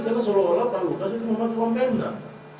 karena seolah olah pak lukas itu mematuhi uang pendah